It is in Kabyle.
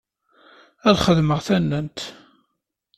Ad xedmeɣ tannant.